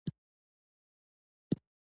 په ځان د باور ژبه: